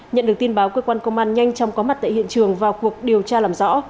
nhận được tin báo cơ quan công an nhanh chóng có mặt tại hiện trường vào cuộc điều tra làm rõ